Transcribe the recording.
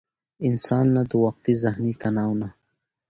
انسان له د وقتي ذهني تناو نه